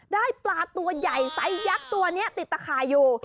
ได้ปลาตัวใหญ่ไซส์ยักษ์ตัวนี้ติดตะข่ายอยู่